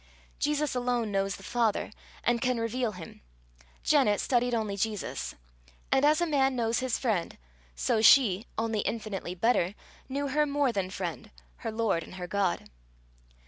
Jesus alone knows the Father, and can reveal him. Janet studied only Jesus, and as a man knows his friend, so she, only infinitely better, knew her more than friend her Lord and her God.